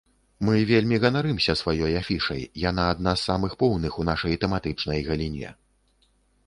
Мы вельмі ганарымся сваёй афішай, яна адна з самых поўных у нашай тэматычнай галіне.